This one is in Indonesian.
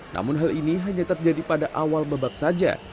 namun hal ini hanya terjadi pada awal babak saja